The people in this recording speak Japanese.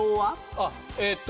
あっえっと